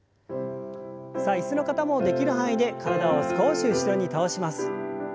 さあ椅子の方もできる範囲で体を少し後ろに倒します。